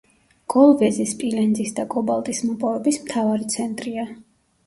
კოლვეზი სპილენძის და კობალტის მოპოვების მთავარი ცენტრია.